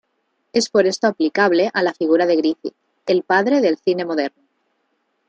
Es por esto aplicable a la figura de Griffith ""El padre del cine moderno"".